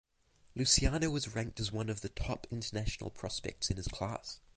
Luciano was ranked as one of the top international prospects in his class.